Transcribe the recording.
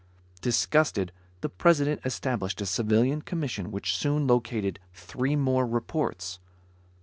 Disgusted, the President established a civilian commission which soon located three more reports.